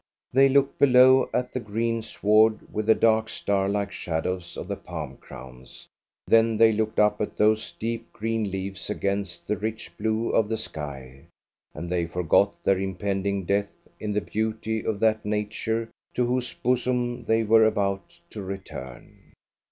They looked below at the green sward with the dark, star like shadows of the palm crowns; then they looked up at those deep green leaves against the rich blue of the sky, and they forgot their impending death in the beauty of that Nature to whose bosom they were about to return.